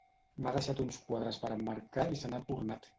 M'ha deixat uns quadres per emmarcar i se n'ha tornat